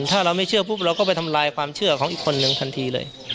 ถ้าเราไม่เชื่อปุ๊บเราก็ไปทำลายความเชื่อของอีกคนนึงทันทีเลย